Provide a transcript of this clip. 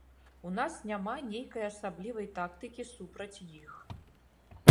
У нас няма нейкай асаблівай тактыкі супраць іх.